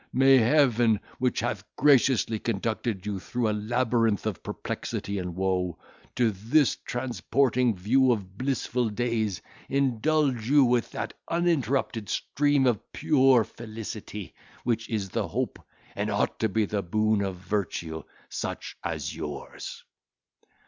May Heaven, which hath graciously conducted you through a labyrinth of perplexity and woe, to this transporting view of blissful days, indulge you with that uninterrupted stream of pure felicity, which is the hope, and ought to be the boon of virtue, such as yours!"